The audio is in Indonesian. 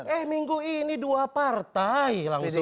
eh minggu ini dua partai langsung